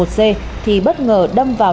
một c thì bất ngờ đâm vào